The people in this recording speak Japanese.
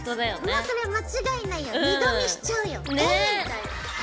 もうそれ間違いないよ二度見しちゃうよ。ね！